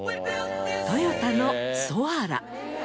トヨタのソアラ。